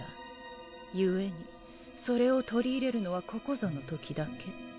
故にそれを取り入れるのはここぞの時だけ。